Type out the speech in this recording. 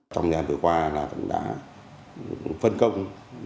trong thời gian vừa qua là vẫn đã phân công